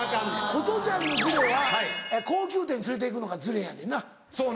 ホトちゃんのずれは高級店連れて行くのがずれやねんな。